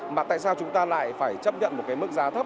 mà tại sao chúng ta lại phải chấp nhận một cái mức giá thấp